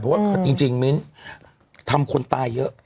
เพราะว่าจริงมิ้นทำคนตายเยอะ